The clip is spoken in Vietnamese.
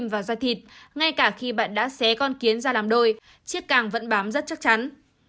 và ra thịt ngay cả khi bạn đã xé con kiến ra làm đôi chiếc càng vẫn bám rất chắc chắn